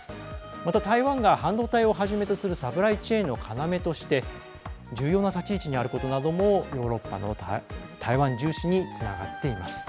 また台湾が半導体をはじめとするサプライチェーンの要として重要な立ち位置にあることなどもヨーロッパの台湾重視につながっています。